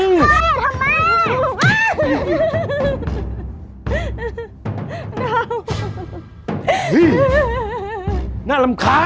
น้ำน่ารำคัญ